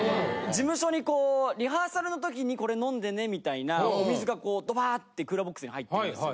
事務所にこうリハーサルの時にこれ飲んでねみたいなお水がこうドバーッてクーラーボックスに入ってるんですよ。